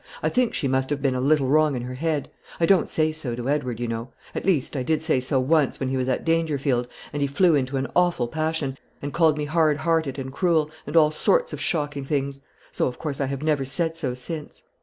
I think she must have been a little wrong in her head. I don't say so to Edward, you know; at least, I did say so once when he was at Dangerfield, and he flew into an awful passion, and called me hard hearted and cruel, and all sorts of shocking things; so, of course, I have never said so since.